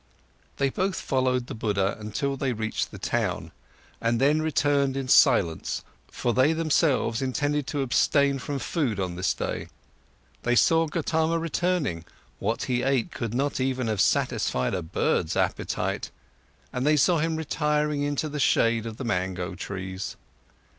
They both followed the Buddha until they reached the town and then returned in silence, for they themselves intended to abstain from on this day. They saw Gotama returning—what he ate could not even have satisfied a bird's appetite, and they saw him retiring into the shade of the mango trees.